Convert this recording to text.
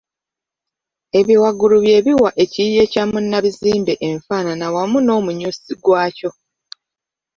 Ebyo waggulu bye biwa ekiyiiye kya munnabuzimbe enfaana wamu n’omunyusi gwakyo.